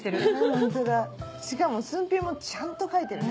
ホントだしかも寸評もちゃんと書いてるね。